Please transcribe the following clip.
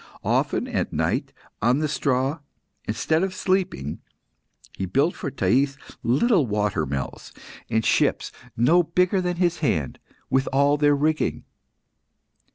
Often at night, on the straw, instead of sleeping, he built for Thais little water mills, and ships no bigger than his hand, with all their rigging.